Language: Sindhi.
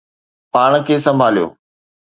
پاڻ کي سنڀاليو